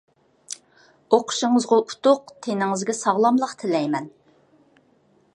ئوقۇشىڭىزغا ئۇتۇق، تېنىڭىزگە ساغلاملىق تىلەيمەن.